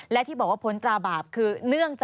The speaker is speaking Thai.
และที่บอกว่าผลตราบาบคือ